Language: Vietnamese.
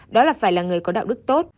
đó là phải là người có đạo đức tốt